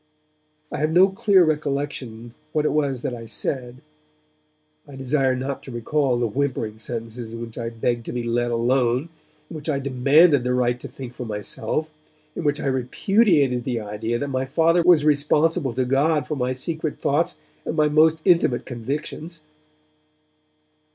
I have no clear recollection what it was that I said, I desire not to recall the whimpering sentences in which I begged to be let alone, in which I demanded the right to think for myself, in which I repudiated the idea that my Father was responsible to God for my secret thoughts and my most intimate convictions.